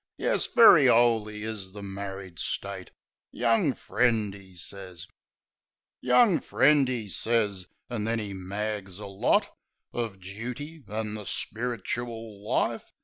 "Yes, very 'oly is the married state, "Young friend," 'e sez. "Young friend," 'e sez. An' then 'e mags a lot Of jooty an' the spiritchuil life.